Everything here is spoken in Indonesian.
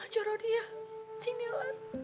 joroh dia cinggilan